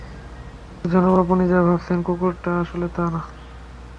কিন্তু জনাব, আপনি যা ভাবছেন কুকুরটা আসলে তা না।